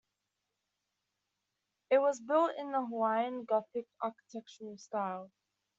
It was built in the Hawaiian Gothic architectural style.